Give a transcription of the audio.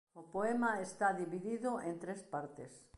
O poema está dividido en tres partes.